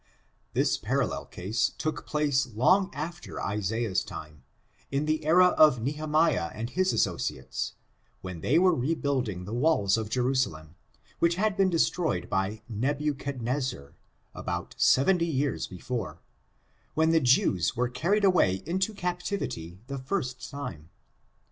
This parallel case took place long after Isaiah's time, in the era of Nehemiah and his associates, when they were rebuilding the walls of Jerusalem, which had been destroyed by Nebuchadnezzar, about seventy years before, when the Jews were carried away into captivity the first time.